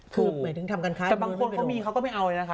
คือหมายถึงทำการค้าแต่บางคนเขามีเขาก็ไม่เอาเลยนะคะ